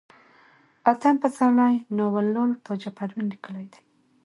اتم پسرلی ناول لال تاجه پروين ليکلئ دی